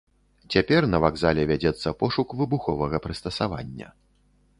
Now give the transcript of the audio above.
Цяпер на вакзале вядзецца пошук выбуховага прыстасавання.